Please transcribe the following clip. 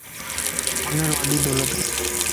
ھنر وڏي دولت ائي.